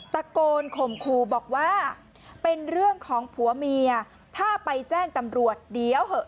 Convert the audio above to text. ตะโกนข่มขู่บอกว่าเป็นเรื่องของผัวเมียถ้าไปแจ้งตำรวจเดี๋ยวเหอะ